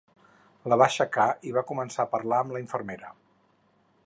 La va aixecar i va començar a parlar amb la infermera.